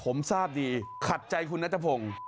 ผมทราบดีขัดใจคุณนัทพงศ์